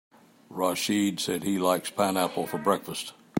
Rachid said he likes pineapple for breakfast.